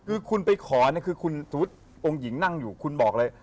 คือคุณไปขอสมมุติองค์หญิงนั่งอยู่คุณบอกเลย